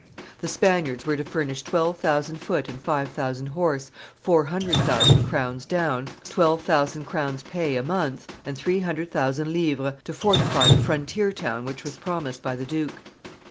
The Spaniards were to furnish twelve thousand foot and five thousand horse, four hundred thousand crowns down, twelve thousand crowns' pay a month, and three hundred thousand livres to fortify the frontier town which was promised by the duke.